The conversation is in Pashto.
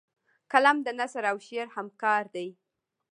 قلم د نثر او شعر همکار دی